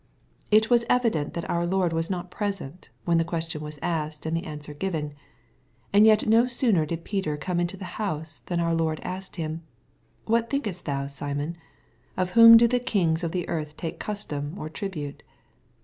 It was evident that our Iiord was not present, when the question was asked and the answer given. And yet no sooner did Peter come into the house than our Lord asked him, " What thinkest thou, Simon ? of whom do the kings of the earth take cus tom or tribute